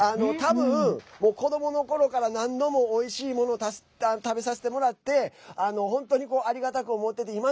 たぶん、子どものころから何度もおいしいものを食べさせてもらって本当にありがたく思ってて